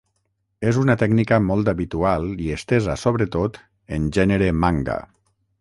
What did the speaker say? És una tècnica molt habitual i estesa sobretot en gènere manga.